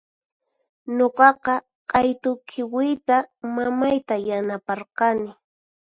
Nuqaqa q'aytu khiwiyta mamayta yanaparqani.